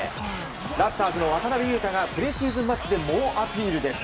ラプターズの渡邊雄太がプレシーズンマッチで猛アピールです。